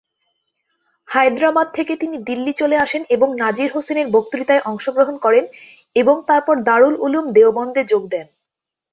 হায়দ্রাবাদ থেকে তিনি দিল্লি চলে আসেন এবং নাজির হোসেনের বক্তৃতায় অংশগ্রহণ করেন, এবং তারপর দারুল উলুম দেওবন্দে যোগ দেন।